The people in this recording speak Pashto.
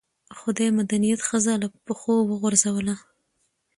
خو دې مدنيت ښځه له پښو وغورځوله